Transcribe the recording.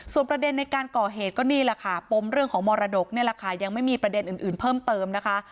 ประเด็นในการก่อเหตุก็นี่แหละค่ะปมเรื่องของมรดกนี่แหละค่ะยังไม่มีประเด็นอื่นเพิ่มเติมนะคะ